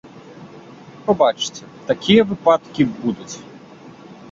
Пабачыце, такія выпадкі будуць!